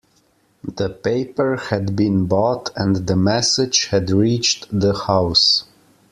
The paper had been bought, and the message had reached the house.